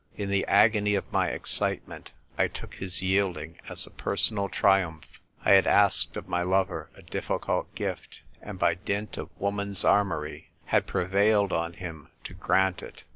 In the agony of my excitement I took his yielding as a personal triumph. I had asked of my lover a difficult gift, and by dint of woman's armoury, had prevailed on him to grant it.